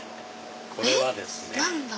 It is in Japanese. これはですね。